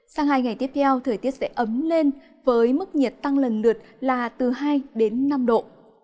sang hai ngày tiếp theo thời tiết sẽ ấm lên với mức nhiệt tăng lần lượt là từ hai đến năm độ